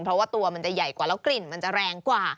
เพราะว่าตัวมันจะใหญ่กว่าแล้วกลิ่นมันจะแรงกว่า